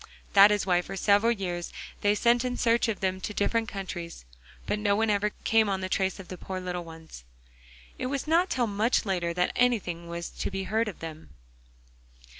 That is why for several years they sent in search of them to different countries, but no one ever came on the trace of the poor little ones. It was not till much later that anything was to be heard of them.